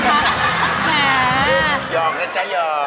แม่ยอมจะยอม